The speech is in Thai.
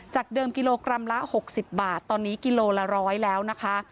เดิมกิโลกรัมละ๖๐บาทตอนนี้กิโลละ๑๐๐แล้วนะคะ